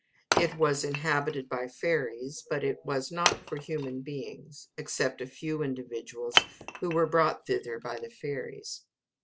It was inhabited by fairies, but it was not for human beings, except a few individuals who were brought thither by the fairies.